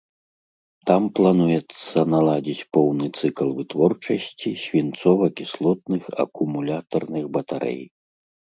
Там плануецца наладзіць поўны цыкл вытворчасці свінцова-кіслотных акумулятарных батарэй.